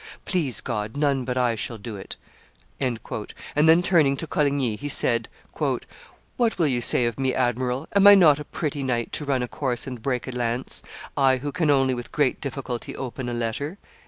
Please God, none but I shall do it;" and then turning to Coligny, he said, "What will you say of me, admiral? Am I not a pretty knight to run a course and break a lance, I who can only with great difficulty open a letter?"